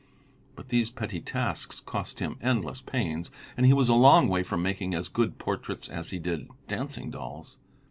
But these petty tasks cost him endless pains, and he was a long way from making as good portraits as he did dancing dolls.